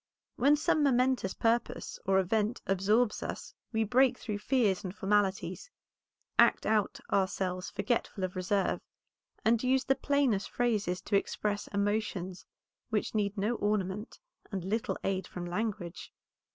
When some momentous purpose or event absorbs us we break through fears and formalities, act out ourselves forgetful of reserve, and use the plainest phrases to express emotions which need no ornament and little aid from language.